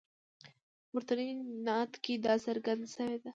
په پورتني نعت کې دا څرګنده شوې ده.